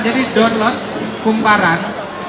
jadi download kumparan